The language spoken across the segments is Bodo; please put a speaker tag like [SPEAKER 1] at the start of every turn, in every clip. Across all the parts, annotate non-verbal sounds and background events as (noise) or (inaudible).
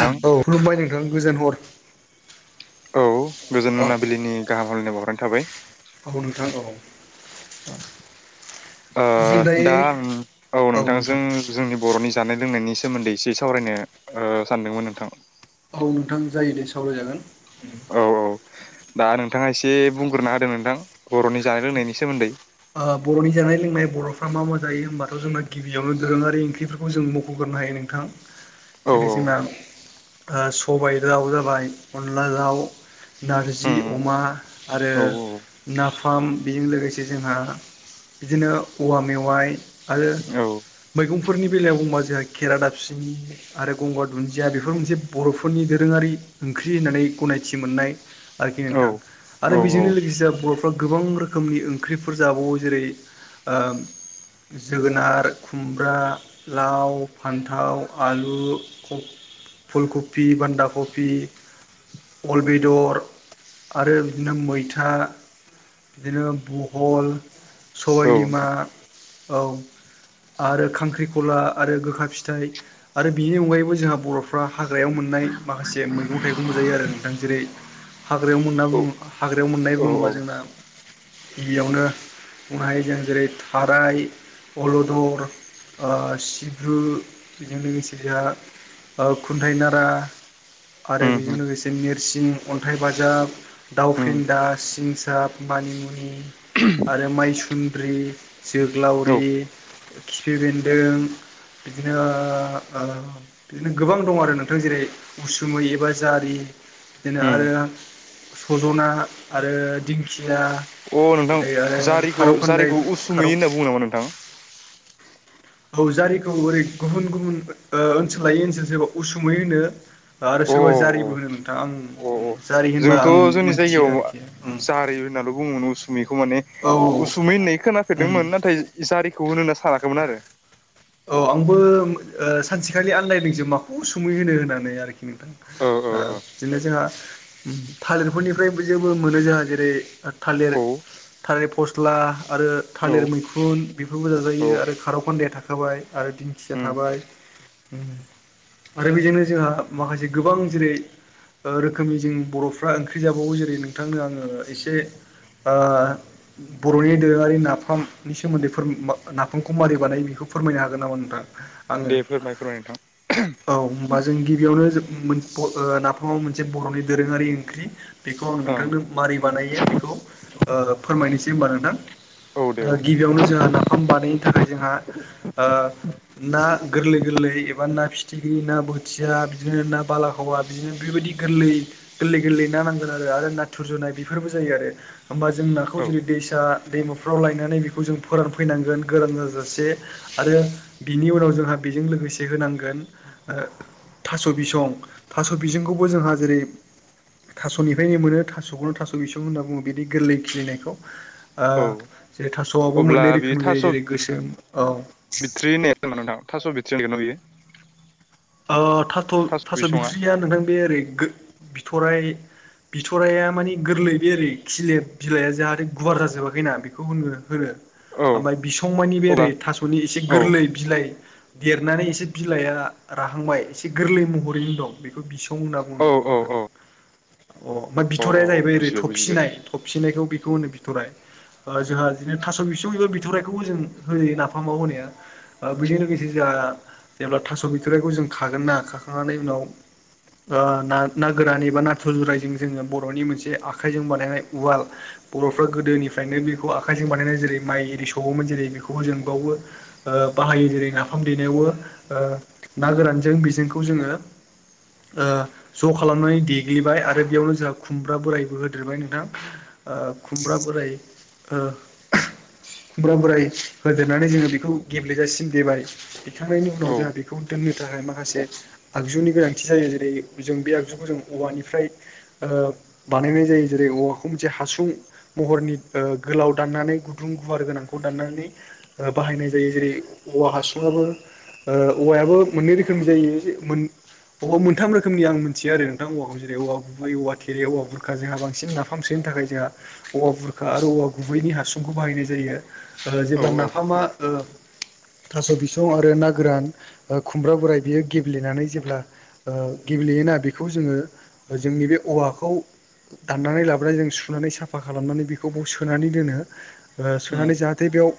[SPEAKER 1] थां
[SPEAKER 2] औ खुलुमबाय नोंथां गोजोन हर
[SPEAKER 1] औ गोजोन
[SPEAKER 2] औ
[SPEAKER 1] मोनाबिलिनि गाहाम हामलायनाय बावहरनाय थाबाय।
[SPEAKER 2] नोंथां (inaudible)
[SPEAKER 1] ओ
[SPEAKER 2] जों दायो
[SPEAKER 1] दा आं औ नोंथांजों जोंनि बर'नि जानाय लोंनायनि सायाव सोमोन्दै एसे सावरायनो ओ सानदोंमोन नोंथां।
[SPEAKER 2] औ नोंथां जायो दि सावरायजागोन।
[SPEAKER 1] औ औ दा नोंथाङा एसे बुंग्रोना होदों नोंथां बर'नि जानाय लोंनायनि सोमोन्दै।
[SPEAKER 2] बर'नि जानाय लोंनाय बर'फ्रा मा मा जायो होमबाथ' जोंना गिबियावनो दोरोङारि ओंख्रिफोरखौ जों मख'गोन। बुंनो हायो नोंथां
[SPEAKER 1] औ
[SPEAKER 2] जेरै
[SPEAKER 1] औ
[SPEAKER 2] जोंना सबाय दउ जाबाय, अनला दउ नारजि
[SPEAKER 1] उम
[SPEAKER 2] अमा आरो
[SPEAKER 1] औ औ
[SPEAKER 2] नाफाम बेजों लोगोसे जोंहा बिदिनो औवा मेवाइ आरो
[SPEAKER 1] औ
[SPEAKER 2] मैगंफोरनि बेलायाव बुंबा जोंहा खेरा दाबसिनि आरो गंगार दुन्दिया बेफोर मोनसे बर'फोरनि दोरोङारि ओंख्रि होननानै गनायथि मोननाय आरोखि
[SPEAKER 1] औ
[SPEAKER 2] नोंथां। आरो
[SPEAKER 1] औ औ
[SPEAKER 2] बेजोंनो लोगोसे बर'फ्रा गोबां रोखोमनि ओंख्रिफोर जाबावो जेरै ओ जोगोनार, खुमब्रा, लाव, फान्थाव, आलु फुलकपि बान्धाकपि अल बेदर आरो बिदिनो मैथा बिदिनो ब हल
[SPEAKER 1] औ
[SPEAKER 2] सबायबिमा
[SPEAKER 1] नोंथां
[SPEAKER 2] औ आरो खांख्रिखला आरो गोखा फिथाइ आरो बेनि अनगायैबो जोंहा बर'फ्रा हाग्रायाव मोन नाय माखासे मैगं थाइगंबो जायो आरो नोंथां। जेरै हाग्रायाव मोनना
[SPEAKER 1] औ
[SPEAKER 2] बुङो हाग्रायाव मोननाय
[SPEAKER 1] औ
[SPEAKER 2] बुङोबा जोंना गिबियावनो ओमफ्राय जों जेरै थाराय अलदर ओ सिब्रु बेजों लोगोसे जोंहा खुन्थाइ नारा आरो
[SPEAKER 1] उम
[SPEAKER 2] बेजों
[SPEAKER 1] उम
[SPEAKER 2] लोगोसे नोरसिं, अन्थाइ बाजाब, दाउ
[SPEAKER 1] उम
[SPEAKER 2] फेन्दा, सिं साब खानिमुनि आरो माइसुन्द्रि,
[SPEAKER 1] औ
[SPEAKER 2] जोग्लावरि खिफि बेन्दों बिदिनो ओ बिदिनो गोबां दं आरो नोंथां जेरै उसुमै एबा जारि बिदिनो
[SPEAKER 1] उम
[SPEAKER 2] आरो सजना आरो दिंखिया
[SPEAKER 1] अ नोंथां
[SPEAKER 2] जेरै आरो
[SPEAKER 1] जारिखौ
[SPEAKER 2] खारौ खान्दाय
[SPEAKER 1] जारिखौ उसुमै
[SPEAKER 2] खारौ
[SPEAKER 1] होनना बुङो नामा नोंथां
[SPEAKER 2] औ जारिखौ ओरै गुबुन गुबुन ओनसोलायै ओनसोल सोरबा उसुमै होनो आरो
[SPEAKER 1] अ
[SPEAKER 2] सोरबा जारिबो होनो नोंथां आं
[SPEAKER 1] अ अ
[SPEAKER 2] जारि होनबा
[SPEAKER 1] जोंथ'
[SPEAKER 2] आं
[SPEAKER 1] जोंनि
[SPEAKER 2] मोनथियो
[SPEAKER 1] जायगायाव
[SPEAKER 2] आरोखि उम
[SPEAKER 1] जारि होननाल' बुङोमोन असमै खौ माने
[SPEAKER 2] औ
[SPEAKER 1] उसुमै होननाय
[SPEAKER 2] उम
[SPEAKER 1] खोनाफेरदोंमोन नाथाय जारिखौ होनोना सानाखैमोन आरो।
[SPEAKER 2] औ आंबो सानसेखालि आनलायदोंसो माखौ उसुमै होनो होननानै आरोखि नोंथां। ओ बिदिनो जोंहा थालिरफोरनिफ्राय जेबो मोनो जोंहा जेरै थालिर
[SPEAKER 1] ओ ओ
[SPEAKER 2] थालिर फस्ला आरो थालिर
[SPEAKER 1] ओ
[SPEAKER 2] मैखुन बेफोरबो
[SPEAKER 1] औ
[SPEAKER 2] जाजायो आरो खारौ खान्दाया थाखा बाय आरो दिंखिया
[SPEAKER 1] उम
[SPEAKER 2] थाबाय। आरो बेजोंनो जोंहा माखासे गोबां जेरै रोखोमनि जों बर'फ्रा ओंख्रि जाबावो जेरै नोंथांनो आङो एसे ओ बर'नि दोरोङारि नाफामनि सोमोन्दै नाफामखौ मारै बानायो बेखौ फोरमायनो हागोन नामा नोंथां आंनो?
[SPEAKER 1] दे फोरमाय फोरमाय नोंथां
[SPEAKER 2] औ होनबा जों गिबियावनो ओ नाफामाबो मोनसे बर'नि दोरोङारि ओंख्रि बेखौ आं
[SPEAKER 1] ओं
[SPEAKER 2] नोंथांनो माबारै बानायो बेखौ ओ फोरमायनोसै होनबा नोंथां।
[SPEAKER 1] औ दे औ
[SPEAKER 2] गिबियावनो जोंहा नाफाम बानायनो थाखाय जोंहा ओ ना गोरलै गोरलै एबा ना फिथिख्रि ना बोथिया बिदिनो ना बालाखावा बिदिनो बेबायदि गोरलै गोरलै गोरलै ना नांगोन आरो नाथुर जुनाय बेफोरबो जायो आरो। होमबा जों नाखौ
[SPEAKER 1] औ
[SPEAKER 2] जेरै दैसा दैमाफ्राव लायनानै बेखौ जों फोरानफैनांगोन गोरान जाजासे। आरो बिनि उनाव जोंहा बेजों लोगोसे होनांगोन थास' बिसं थास' बिसंखौबो जोंहा जेरै थास'निफ्रायनो मोनो थास'खौनो थास' बिसं होनना बुङो बिदि गोरलै खिलिनायखौ ओ
[SPEAKER 1] औ
[SPEAKER 2] जेरै थास'आबो
[SPEAKER 1] अब्ला
[SPEAKER 2] मोननै रोखोमनि जायो जेरै गोसोम औ
[SPEAKER 1] बेट्रि ओननाया जामा नोंथां थास' बेट्रि नायानो बियो
[SPEAKER 2] ओ थाथ' थास' बिथ्रिया नोंथां बे ओरै गो बिथराय बिथराया माने गोरलै बे ओरै खिलेब बिलाइआ जाहाथे गुवार जाजोबाखैना बेखौ होन होनो
[SPEAKER 1] औ
[SPEAKER 2] ओमफाय बिसंमानि बे
[SPEAKER 1] अब्ला
[SPEAKER 2] ओरै थास'नि एसे
[SPEAKER 1] औ
[SPEAKER 2] गोरलै बिलाइ देरनानै एसे बिलाइआ राहांबाय एसे गोरलै महरैनो दं बेखौ बिस सं होनना बुङो
[SPEAKER 1] औ औ
[SPEAKER 2] नोंथां
[SPEAKER 1] औ
[SPEAKER 2] अ ओमफ्राय
[SPEAKER 1] औ
[SPEAKER 2] बिथराया
[SPEAKER 1] औ
[SPEAKER 2] जाहैबाय ओरै
[SPEAKER 1] बुजिबाय बुजिबाय
[SPEAKER 2] थबसिनाय थबसिनायखौ बेखौ होनो बिथराय ओ जोंहा बिदिनो थास' बिसं एबा बिथौराइखौबो जों होयो नाफाम माव होनाया बेजों लोगोसे जोंहा ओ जेब्ला थास' बिथराइखौ जों खागोन ना खाखांनानै उनाव ओ ना ना गोरान एबा नाथुर जुरायजों जोङो बर'नि मोनसे आखाइजों बानायनाय उवाल बर'फ्रा गोदोनिफ्रायनो बेखौ आखायजों बानायनानै जेरै माइ एरि सोवोमोन जेरै बेखौबो जों बावबो ओ ओ बाहायो जेरै नाफाम देनायावबो ओ ना गोरानजों बेजोंखौ जोङो ओ ज' खालामनानै देग्लिबाय आरो बेयावनो जोंहा खुमब्रा बोरायबो होदेरबाय नोंथां। ओ खुमब्रा बोराय ओ खुम्ब्रा बोराय होदेरनानै जोङो बेखौ गेब्लेेजासिम देबाय दैखांनायनि उनाव
[SPEAKER 1] औ
[SPEAKER 2] जोंहा बे खौ दोननो थाखाय माखासे आगजुनि गोनांथि जायो जेरै जों बे आगजुखौ जों औवानिफ्राय ओ बानायनाय जायो जेरै औवाखौ मोनसे हासुं महरनि ओ गोलाव दाननानै गु दुं गुवार गोनांखौ दाननानै बाहायनाय जायो जेरै औवा हासुंआबो ओ औवायाबो मोननै रोखोमनि जायो जे अह मोनथाम रोखोमनि आं मोनथियो आरो नोंथां औवाखौ जेरै गुबै औवा थेरे औवा बुरखा जोंहा बांसिन नाफामसो नो थाखाय जोंहा औवा बुरखा आरो औवा गुबैनि हासुंखौ बाहायनाय जायो। ओ
[SPEAKER 1] औ
[SPEAKER 2] जेब्ला
[SPEAKER 1] औ
[SPEAKER 2] नाफामा ओ थास' बिसं आरो ना गोरान ओ खुमब्रा बोराय बियो गेब्लेनानै जेब्ला ओ गेब्लेयोना बेखौ जोङो जों नि बे औवाखौ दाननानै लाबोनानै जों सुनानै साफा खालामनानै बेखौ बाव सोनानै दोनो ओ
[SPEAKER 1] उम
[SPEAKER 2] सोनानै जाहाथे बेयाव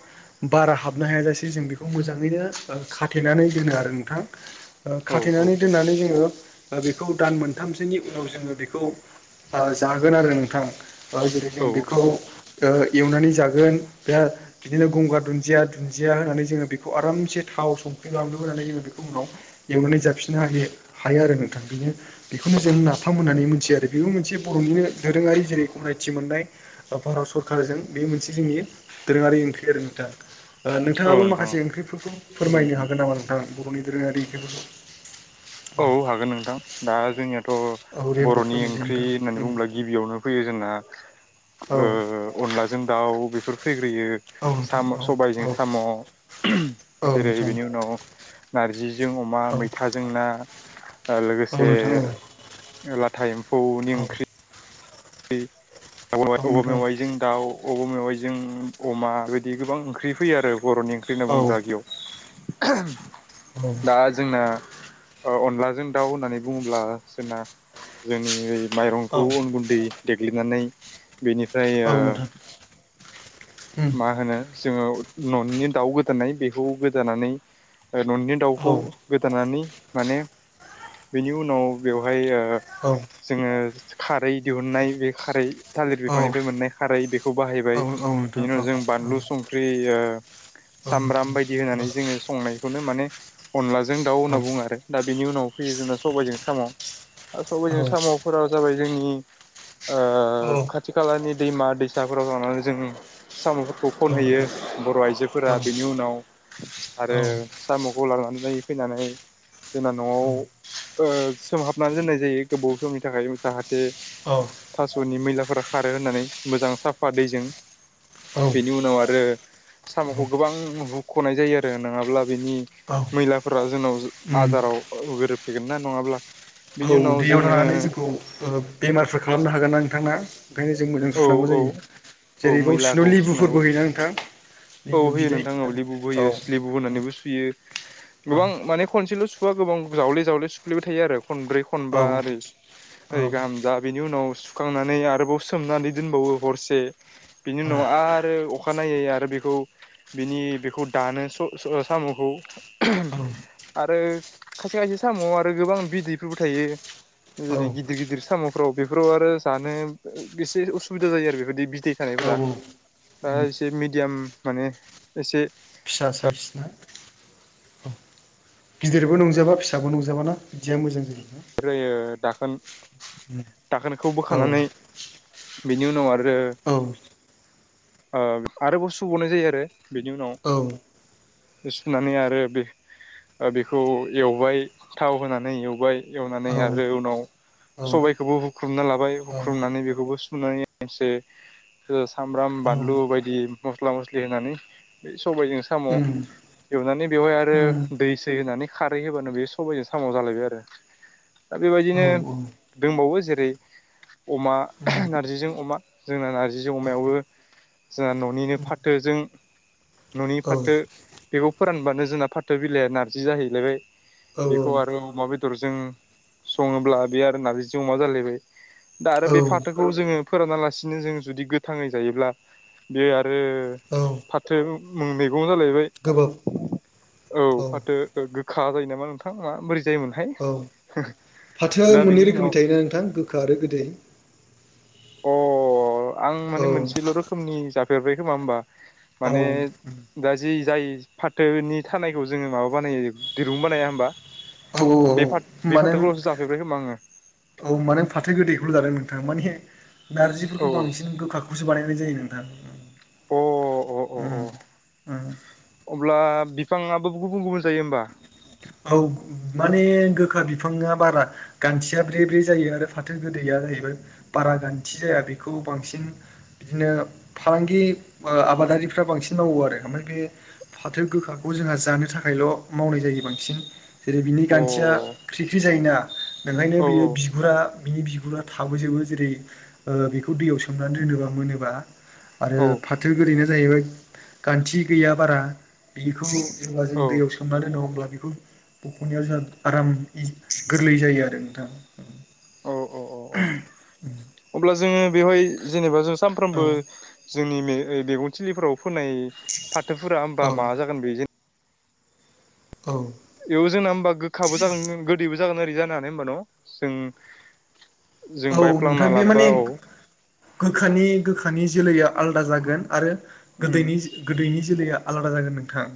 [SPEAKER 2] बारा हाबनो हाया जासे जों बेखौ मोजाङैनो खा थेनानै दोनो आरो नोंथां ओ
[SPEAKER 1] औ
[SPEAKER 2] खाथेनानै दोननानै जोङो ओ बेखौ दान मोनथामसोनि उनाव जोङो बेखौ ओ जागोन आरो नोंथां ओ जेरै
[SPEAKER 1] औ
[SPEAKER 2] जों बेखौ
[SPEAKER 1] औ
[SPEAKER 2] ओ एवनानै जागोन बिराद बिदिनो गंगार दुन्दिया दुन्दिया होनानै जोङो बेखौ आरामसे थाव सं ख्रि बानलु होनानै जोङो बेखौ उनाव एवनानै जाफिननो हायो हायो आरो नोंथां बिनो बेखौनो जों ना फाम होननानै मोनथियो आरो बेबो मोनसे बर'निनो दोरोङारि जेरै गनायथि मोननाय भारत सरकारजों बे बेसो जोंनि दोरोङारि ओंख्रि आरो नोंथां। ओ
[SPEAKER 1] औ
[SPEAKER 2] नोंथाङाबो
[SPEAKER 1] नोंथां औ
[SPEAKER 2] माखासे ओंख्रिफोरखौ फोरमायनो हागोन नामा नोंथां बर'नि दोरोङारि ओंख्रिफोरखौ?
[SPEAKER 1] औ हागोन नोंथां दा जोंनियाथ'
[SPEAKER 2] औ रेमबो
[SPEAKER 1] बर'नि
[SPEAKER 2] फेमिलि
[SPEAKER 1] ओंख्रि
[SPEAKER 2] नोंथां
[SPEAKER 1] होननानै
[SPEAKER 2] उम
[SPEAKER 1] बुंङोब्ला गिबियावनो फैयो जों ना ओ
[SPEAKER 2] औ
[SPEAKER 1] अनलाजों दाउ बेफोर फैग्रोयो
[SPEAKER 2] औ नोंथां
[SPEAKER 1] साम'
[SPEAKER 2] औ औ
[SPEAKER 1] सबायजों साम'
[SPEAKER 2] औ
[SPEAKER 1] जेरै
[SPEAKER 2] नोंथां
[SPEAKER 1] बेनि उनाव नारजि जों अमा
[SPEAKER 2] औ
[SPEAKER 1] मैथाजों ना
[SPEAKER 2] औ
[SPEAKER 1] लोगोसे
[SPEAKER 2] नोंथां औ
[SPEAKER 1] लाथा एम्फौनि ओंख्रि
[SPEAKER 2] औ
[SPEAKER 1] अबा
[SPEAKER 2] नोंथां
[SPEAKER 1] मेवाइजों दाउ अबा मेवाइ जों अमा बिदि गोबां ओंख्रि फैयो आरो बर'नि ओंख्रि होनना
[SPEAKER 2] औ
[SPEAKER 1] बुङोब्ला बियाव।
[SPEAKER 2] औ
[SPEAKER 1] दा जोंना ओ अनलाजों दाउ होननानै बुङोब्ला जोंना जोंनि माइरंखौ अन गुन्दै हनानै बेनिफ्राय
[SPEAKER 2] औ
[SPEAKER 1] ओ
[SPEAKER 2] नोंथां उम
[SPEAKER 1] मा होनो जोङो न'निनो दाउ गोदानाय बेखौ गोदानानै ओ न'नि
[SPEAKER 2] औ
[SPEAKER 1] दाउखौ गोदानानै माने बेनि उनाव बेवहाय ओ
[SPEAKER 2] औ
[SPEAKER 1] जोङो खारै दिहुननाय बे खारै थालिर
[SPEAKER 2] औ
[SPEAKER 1] बिफांनिफ्राय मोननाय खारै बेखौ बाहायबाय
[SPEAKER 2] औ नोंथां औ नोंथां
[SPEAKER 1] बिनि
[SPEAKER 2] औ
[SPEAKER 1] उनाव
[SPEAKER 2] नोंथां औ
[SPEAKER 1] जों बानलु संख्रि ओ (inaudible) सामब्राम बायदि होनानै जोंङो संनायखौनो माने अनलाजों दाउ होनना बुंङो आरो दा बेनि उनाव फैयो जों सबायजों साम' आरो
[SPEAKER 2] औ
[SPEAKER 1] सबायजों साम'फोरा जाबाय जोंनि ओ खाथि खालानि दैमा दैसाफोराव लांनानै जोंनि साम'फोरखौ खनहैयो बर' आइजोफोरा बेनि उनाव आरो साम'खौ लानानै फैनानै जोंना न'आव ओ सोमहाबनानै दोननाय जायो गोबाव समनि थाखाय जाहा थे थास'नि मैलाफोरा खारो होननानै मोजां साफा दैजों बेनि उनाव आरो साम'खौ गोबां हुख'नाय जायो आरो नोंङाब्ला बेनि मैलाफोरा जोंनाव
[SPEAKER 2] उम
[SPEAKER 1] आदाराव गोरोबफैगोन ना नंङाब्ला
[SPEAKER 2] औ दैयाव थानानै जोंखौ ओ बेमारफोर खालामनो हागोन ना नोंथां ना। ओंखायनो जों मोजां
[SPEAKER 1] औ
[SPEAKER 2] सुनांगौ
[SPEAKER 1] औ
[SPEAKER 2] जायो
[SPEAKER 1] औ
[SPEAKER 2] जेरैबाव
[SPEAKER 1] मैलाखौ
[SPEAKER 2] सुनानै
[SPEAKER 1] सुनांगौ
[SPEAKER 2] लेबुफोरबो होयोना नोंथां।
[SPEAKER 1] औ
[SPEAKER 2] लेबु
[SPEAKER 1] होयो
[SPEAKER 2] बिदै
[SPEAKER 1] नोंथां लेबुबो
[SPEAKER 2] औ
[SPEAKER 1] होयो स्लेबु होनानैबो सुयो।
[SPEAKER 2] औ
[SPEAKER 1] गोबां माने खनसेल' सुवा गोबां जावले-जावले सुफलेबाय थायो आरो खनब्रै
[SPEAKER 2] औ
[SPEAKER 1] खनबा ओरै
[SPEAKER 2] औ
[SPEAKER 1] ओरै गाहामजा बेनि उनाव सु खांनानै आरोबाव सोमनानै दोनबावो हरसे बेनि उनाव आरो अखानायै आरो बेखौ बिनि बेखौ दानो स-स-साम'खौ
[SPEAKER 2] औ
[SPEAKER 1] आरो खायसे-खायसे साम'आव आरो गोबां बिदैफोरबो थायो
[SPEAKER 2] औ
[SPEAKER 1] जेरै गिदिर-गिदिर साम'फ्राव बेफोराव आरो जानो एसे उसुबिदा जायो आरो बेफोरबायदि बि दै
[SPEAKER 2] औ
[SPEAKER 1] थानायफोरा
[SPEAKER 2] औ
[SPEAKER 1] ओ‌एसे मिडियाम माने एसे
[SPEAKER 2] फिसा सायस ना गिदिरबो नंजोबा फिसाबो नंजोबाना बिदिया मोजां जायो।
[SPEAKER 1] ओमफ्रायो दाखोन-दाखोनखौ
[SPEAKER 2] औ
[SPEAKER 1] बोखानानै बेनि उनाव आरो
[SPEAKER 2] औ
[SPEAKER 1] ओ आरोबाव सुबावनाय जायो आरो बेनि उनाव सुनानै आरो बे ओ बेखौ एवबाय थाव होनानै एवबाय एवनानै
[SPEAKER 2] औ
[SPEAKER 1] आरो उनाव
[SPEAKER 2] उम
[SPEAKER 1] सबायाइखौबो हुख्रुबना लाबाय हुख्रुबनानै बेखौबो सोमनानै एसे सामब्राम बानलु बायदि मस्ला मस्लि होनानै सबायाइजों साम'
[SPEAKER 2] उम
[SPEAKER 1] एवनानै बेवहाय आरो दै सै होनानै खारै होबानो बेयो सबाइजों सामाव जालायबाय आरो दा
[SPEAKER 2] औ
[SPEAKER 1] बेबायदिनो
[SPEAKER 2] उम औ
[SPEAKER 1] दंबावो जे रै अमा नारजिजों अमा जोंना नार्जिजों अमायावबो जोंहा न'निनो फाथोजों न'नि
[SPEAKER 2] औ
[SPEAKER 1] फाथो बेखौ फोरानब्लानो जोंना फाथो बिलाइया नारजि जाहैलायबाय। बेखौ आरो अमा बेदरजों संङोब्ला बे आरो नारजिजों अमा जालायबाय। दा आरो
[SPEAKER 2] औ
[SPEAKER 1] बे फाथोखौ जोंङो फोराना लासिनो जोंङो जुदि गोथाङै जायोब्ला बे आ रो
[SPEAKER 2] औ
[SPEAKER 1] फाथो मुंनि माबा जालायबाय
[SPEAKER 2] गोबाब
[SPEAKER 1] औ फाथो गोखा जायो नामा नोंथां बोरै जायोमोनहाय
[SPEAKER 2] औ फाथोआ
[SPEAKER 1] दा बेनि
[SPEAKER 2] मोननै
[SPEAKER 1] उनाव
[SPEAKER 2] रोखोमनि थायोना नोंथां गोखा आरो गोदै
[SPEAKER 1] अ आं
[SPEAKER 2] औ
[SPEAKER 1] माने मोनसेल' रो जाफेरबाय खोमा होमबा
[SPEAKER 2] औ
[SPEAKER 1] माने दा जि जाय फाथोनि थानायखौ जोंङो माबा बानायो दिरुं बानाया होमबा
[SPEAKER 2] औ औ
[SPEAKER 1] बे फाथ
[SPEAKER 2] औ
[SPEAKER 1] बे
[SPEAKER 2] माने
[SPEAKER 1] फाथोखौल'सो जाफेरबाय खोमा आङो
[SPEAKER 2] औ माने फाथो गोदैखौल' जादों नोंथाङा माने नारजिफोरखौ
[SPEAKER 1] औ
[SPEAKER 2] बांसिन गोखाखौसो बानायनाय जायो नोंथां।
[SPEAKER 1] औ अ अ
[SPEAKER 2] अम
[SPEAKER 1] अ
[SPEAKER 2] अम
[SPEAKER 1] बिथांङा आबो गुबुन गुबुन जायो होमबा
[SPEAKER 2] औ माने गो खा बिफाङा बारा गान्थिया ब्रे-ब्रे जायो आरो फाथो गोदैया जाहैबाय बारा गान्थि जाया बे खौ बांसिन बिदिनो फालांगि आबादारिफ्रा बांसिन मावो आरो ओमफ्राय बे फाथो गोखाखौ जोंहा जानो थाखायल' मावनाय जायो बांसिन जेरै बिनि
[SPEAKER 1] अ
[SPEAKER 2] गानथिया ख्रिख्रि जायोना। बेखायनो
[SPEAKER 1] औ
[SPEAKER 2] बियो बिगुरा बिनि बिगुरा थाबोजोबो जेरै बेखौ दैयाव सोमनानै दोनोबा मोनोबा आरो
[SPEAKER 1] औ
[SPEAKER 2] फाथो गोरैनो जाहैबाय गान्थि गैया बारा बिखौ जब्ला जों दैयाव सोम द होमब्ला बेखौ बख'नायाव जोंहा आराम इजि गोरलै जायो आरो नोंथां
[SPEAKER 1] औ औ औ औ
[SPEAKER 2] उ
[SPEAKER 1] अब्ला जोङो बेवहाय जेनेबा जों
[SPEAKER 2] औ
[SPEAKER 1] सानफ्रोमबो जोंनि मे मेगन थिलिफ्राव फोननाय फाथोफोरा होमबा मा
[SPEAKER 2] औ
[SPEAKER 1] जागोन बे जे बेयाव जोंना होमबा गोखाबो जागोन गोदैबो जागोन ओरै जानो हानाय होमबा न जों
[SPEAKER 2] औ नोंथां
[SPEAKER 1] बायफ्लांना
[SPEAKER 2] बे
[SPEAKER 1] लाबबा
[SPEAKER 2] माने
[SPEAKER 1] औ
[SPEAKER 2] गोखानि गोखानि जोलैया आलदा जागोन आरो
[SPEAKER 1] उम
[SPEAKER 2] गोदैनि गोदैनि जोलैया आलादा जागोन नोंथां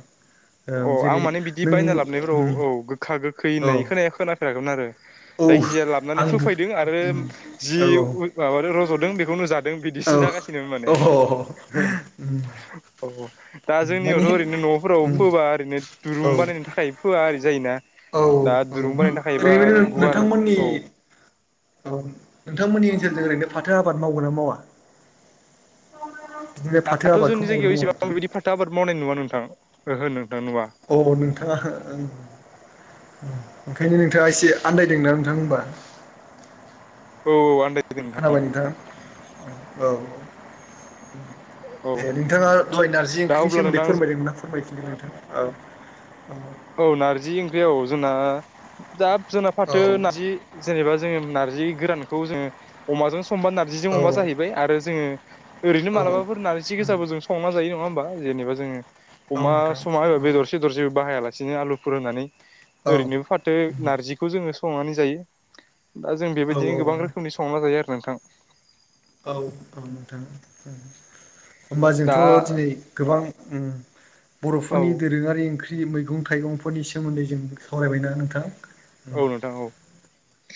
[SPEAKER 1] अ
[SPEAKER 2] औ
[SPEAKER 1] आं
[SPEAKER 2] जेरै
[SPEAKER 1] माने बिदि
[SPEAKER 2] नों
[SPEAKER 1] बायना लाबोनायफोराव औ गोखा गोखै
[SPEAKER 2] औ
[SPEAKER 1] होननाय खोनाया खोनाफेराखैमोन आरो
[SPEAKER 2] औ
[SPEAKER 1] जायखिजाया लाबानै
[SPEAKER 2] आं
[SPEAKER 1] फोफायदों आरो जि
[SPEAKER 2] औ
[SPEAKER 1] माबादों रजद दों बेखौनो जादों बिदिसो
[SPEAKER 2] औ
[SPEAKER 1] जागासिनो माने
[SPEAKER 2] औ
[SPEAKER 1] औ दा जोंनियावथ'
[SPEAKER 2] माने
[SPEAKER 1] ओरैनो न'फोरावबो फोबा
[SPEAKER 2] औ
[SPEAKER 1] ओरैनो
[SPEAKER 2] औ
[SPEAKER 1] दुरुं बानायनो थाखाय फोआ जायोना
[SPEAKER 2] औ
[SPEAKER 1] दा दुरुं बानायनो थाखायबा
[SPEAKER 2] ओरैबायदि
[SPEAKER 1] गुवार
[SPEAKER 2] नोंथांमोननि
[SPEAKER 1] औ।
[SPEAKER 2] औ नोंथांमोननि ओनसोलजों ओरैनो फाथो आबाद मावगोन ना मावा? बिदिनो फाथो
[SPEAKER 1] दाथ'
[SPEAKER 2] आबादखौ
[SPEAKER 1] जोंनि जायगायाव
[SPEAKER 2] मावगोना मावा
[SPEAKER 1] एसेबां
[SPEAKER 2] नोंथां?
[SPEAKER 1] बिदि फाथो आबाद मावनाय नुया नोंथां ओहो नों।
[SPEAKER 2] औ नोंथाङाओ। ओंखायनो नोंथाङा एसे आनदायदोंना नोंथां होमबा?
[SPEAKER 1] औ औ आनदाय।
[SPEAKER 2] खोनाबाय नोंथां औ औ।
[SPEAKER 1] औ
[SPEAKER 2] दे नोंथाङा दहाय नारजि
[SPEAKER 1] दा
[SPEAKER 2] ओंख्रिनि
[SPEAKER 1] अब्ला
[SPEAKER 2] सोमोन्दै
[SPEAKER 1] नोंथां
[SPEAKER 2] फोरमायदोंमोन ना फोरमाय फोरमायदोंमोन नोंथां औ औ।
[SPEAKER 1] औ नारजि ओंख्रिआ औ जोंना जाप जोंना
[SPEAKER 2] औ
[SPEAKER 1] फाथो नारजि जेनेबा जोङो नारजि गोरानखौ जोङो अमाजों समबा नारजिजों
[SPEAKER 2] औ
[SPEAKER 1] अमा जाहैबाय आरो जोङो ओरैनो
[SPEAKER 2] औ
[SPEAKER 1] मालाबाफोर नारजि गोजाबो जों संना जायो नङा होमबा? जेनेबा जोङो अमा
[SPEAKER 2] नोंथां
[SPEAKER 1] समाबा बेदरसेदर जेबो बाहायालासिनो आलुफोर होनानै।
[SPEAKER 2] औ
[SPEAKER 1] ओरैनो फाथो नारजिखौ जोङो संनानै जायो। दा जों
[SPEAKER 2] औ
[SPEAKER 1] बेबायदिनो
[SPEAKER 2] औ
[SPEAKER 1] गोबां रोखोमनि संना जायो आरो नोंथां।
[SPEAKER 2] औ औ नोंथां औ। होमबा
[SPEAKER 1] दा
[SPEAKER 2] जोंथ' दिनै गोबां
[SPEAKER 1] औ
[SPEAKER 2] बर'फोरनि दोरोङारि ओंख्रि ख्रि मैगं थाइगंफोरनि सोमोन्दै जों सावरायबायना नोंथां? उम
[SPEAKER 1] औ नोंथां औ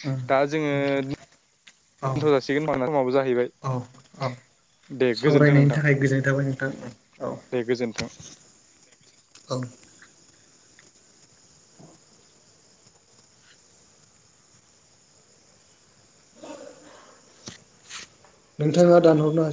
[SPEAKER 2] उम
[SPEAKER 1] दा जोङो
[SPEAKER 2] औ
[SPEAKER 1] दोन्थ' जासिगोन होनबा समाबो जाहैबाय।
[SPEAKER 2] औ औ।
[SPEAKER 1] दे गोजोन्थों
[SPEAKER 2] सावरायनायनि
[SPEAKER 1] नोंथां
[SPEAKER 2] थाखाय गोजोन्नाय थाबाय नोंथां। औ।
[SPEAKER 1] दे गोजोन्थों
[SPEAKER 2] ओं नोंथाङा दानहरनो हासि